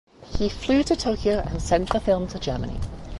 He flew to Tokyo and sent the film to Germany.